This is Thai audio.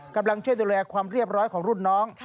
กำลังช่วยดูแลความเรียบร้อยของรุ่นน้อง